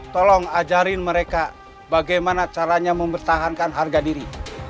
tolong ajarin mereka bagaimana caranya mempertahankan harga diri